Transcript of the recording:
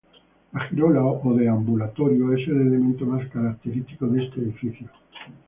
La girola o deambulatorio es el elemento más característico de este edificio.